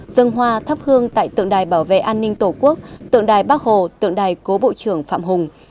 dân hoa thắp hương tại tượng đài bảo vệ an ninh tổ quốc tượng đài bắc hồ tượng đài cố bộ trưởng phạm hùng